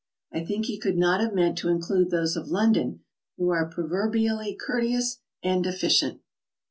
I think he could not have meant to include those of London, who are proverbially courteous and efficient.